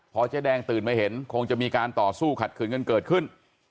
พอเจ๊แดงตื่นมาเห็นคงจะมีการต่อสู้ขัดขืนกันเกิดขึ้น